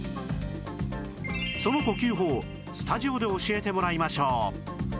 その呼吸法をスタジオで教えてもらいましょう